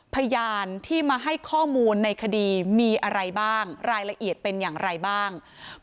พยานที่มาให้ข้อมูลในคดีมีอะไรบ้าง